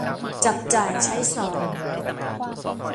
จับจ่ายใช้สอย